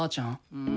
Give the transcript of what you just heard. うん？